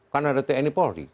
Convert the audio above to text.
karena ada tni polri